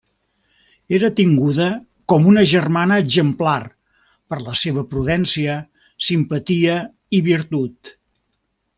Era tinguda com una germana exemplar, per la seva prudència, simpatia i virtut.